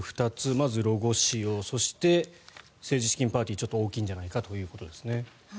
まずロゴ使用そして政治資金パーティーちょっと大きいんじゃないかということですね。